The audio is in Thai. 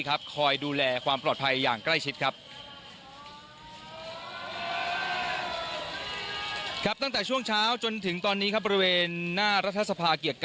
คอยดูแลความปลอดภัยที่ใกล้จนจนถึงตอนนี้